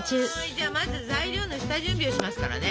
じゃあまず材料の下準備をしますからね。